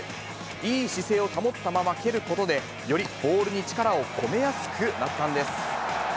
いい姿勢を保ったまま蹴ることで、よりボールに力を込めやすくなったんです。